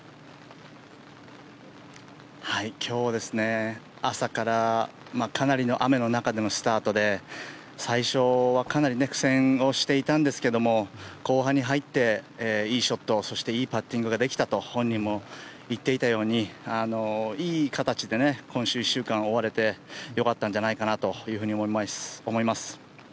今日、朝からかなりの雨の中でのスタートで最初はかなり苦戦をしていたんですけども後半に入っていいショットそしていいパッティングができたと本人も言っていたようにいい形で今週１週間終われてよかったんじゃないかなと思います。